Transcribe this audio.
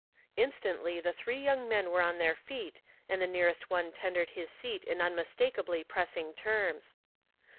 Instantly the three young men were on their feet, and the nearest one tendered his seat in unmistakably pressing terms.